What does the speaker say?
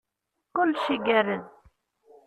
Kullec igerrez.